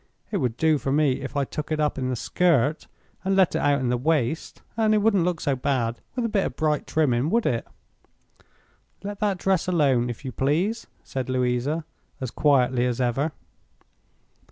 It would do for me if I took it up in the skirt, and let it out in the waist—and it wouldn't look so bad with a bit of bright trimming, would it?" "Let that dress alone, if you please," said Louisa, as quietly as ever.